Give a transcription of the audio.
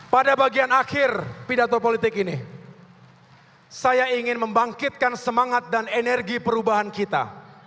pada bagian akhir pidato politik ini saya ingin membangkitkan semangat dan energi perubahan kita